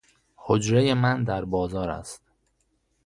حجرۀ من در بازاراست